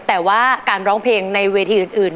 แต่ว่าการร้องเพลงในเวทีอื่น